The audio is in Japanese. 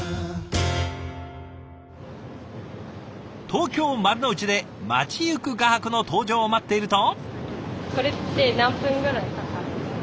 東京・丸の内で街行く画伯の登場を待っていると。